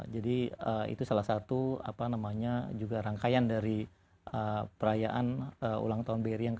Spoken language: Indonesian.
jadi itu salah satu apa namanya juga rangkaian dari perayaan ulang tahun bri yang ke satu ratus dua puluh enam